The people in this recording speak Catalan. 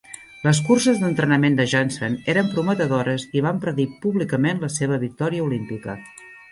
Les curses d'entrenament de Johnson eren prometedores i van predir públicament la seva victòria olímpica.